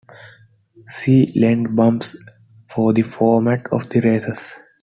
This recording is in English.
See Lent Bumps for the format of the races.